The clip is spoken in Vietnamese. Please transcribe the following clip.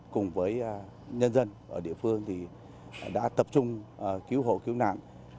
cùng với nhân dân ở địa phương thì đã tập trung cứu hộ cứu nạn